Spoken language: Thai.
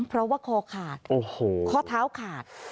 เพราะว่าคอขาดข้อเท้าขาด